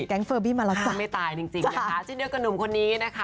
ก็ไม่ตายจริง